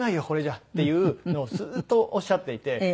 これじゃあ」っていうのをずっとおっしゃっていて。